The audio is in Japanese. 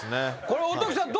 これおときさん